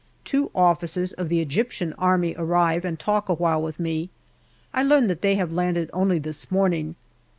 Two officers of the Egyptian Army arrive and talk awhile with me. I learn that they have landed only this morning.